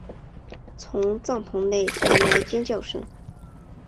从帐篷内传来尖叫声